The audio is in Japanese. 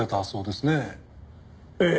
ええ。